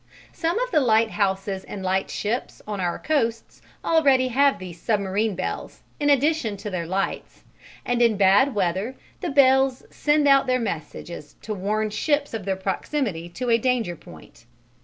Some of the lighthouses and lightships on our coasts already have these submarine bells in addition to their lights, and in bad weather the bells send out their messages to warn ships of their proximity to a danger point.